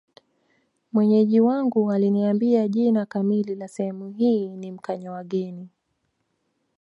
Mwenyeji wangu aliniambia jina kamili la sehemu hii ni Mkanyawageni